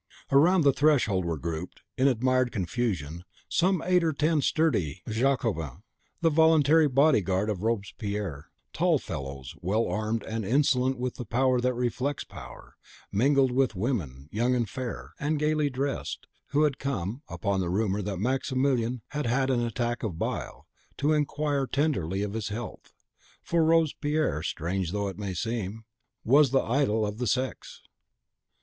Around the threshold were grouped, in admired confusion, some eight or ten sturdy Jacobins, the voluntary body guard of Robespierre, tall fellows, well armed, and insolent with the power that reflects power, mingled with women, young and fair, and gayly dressed, who had come, upon the rumour that Maximilien had had an attack of bile, to inquire tenderly of his health; for Robespierre, strange though it seem, was the idol of the sex!